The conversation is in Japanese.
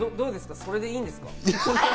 それでいいんですか？